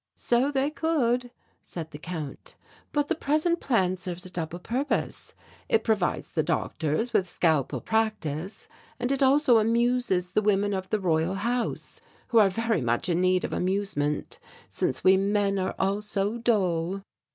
"So they could," said the Count, "but the present plan serves a double purpose. It provides the doctors with scalpel practise and it also amuses the women of the Royal House who are very much in need of amusement since we men are all so dull."